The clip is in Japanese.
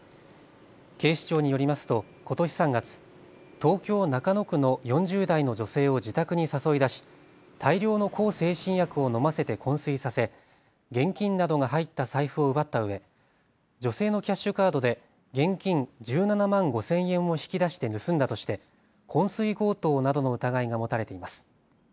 警視庁によりますとことし３月、東京中野区の４０代の女性を自宅に誘い出し大量の向精神薬を飲ませて、こん睡させ現金などが入った財布を奪ったうえ女性のキャッシュカードで現金１７万５０００円を引き出して盗んだとしてこん睡強盗などの疑いが持たれています。